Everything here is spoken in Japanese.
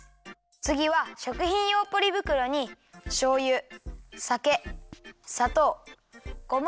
つぎはしょくひんようポリぶくろにしょうゆさけさとうごま